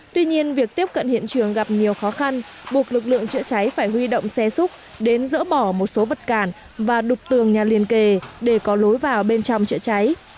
tuy nhiên việc tiếp cận hiện trường gặp nhiều khó khăn buộc lực lượng chữa cháy phải huy động xe xúc đến dỡ bỏ một số vật cản và đục tường nhà liền kề để có lối vào bên trong chữa cháy